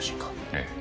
ええ。